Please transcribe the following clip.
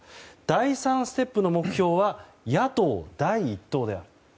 第３ステップの目標は野党第１党である。